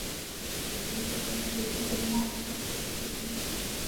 一切国家与中国的贸易机会均等。